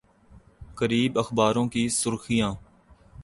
قریب اخباروں کی سرخیاں